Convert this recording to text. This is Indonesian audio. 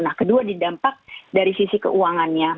nah kedua didampak dari sisi keuangannya